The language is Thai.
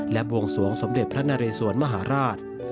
ศูนย์วงศวงศ์สมเด็จพระนาเรศวรมหาราช